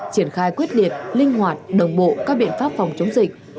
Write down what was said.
triển khai quyết liệt linh hoạt đồng bộ các biện pháp phòng chống dịch